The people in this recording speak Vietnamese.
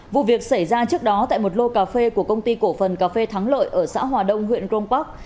vụ việc xảy ra trước đó tại một lô cà phê của công ty cổ phần cà phê thắng lợi ở xã hòa đông huyện crong park